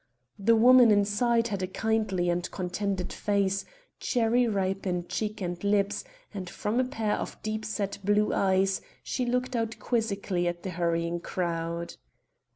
The woman inside had a kindly and contented face, cherry ripe in cheek and lips, and from a pair of deep set blue eyes she looked out quizzically at the hurrying crowd.